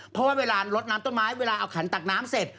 เพราะว่าเวลาลดน้ำต้นไม้เวลาเอาขันตักน้ำเสร็จ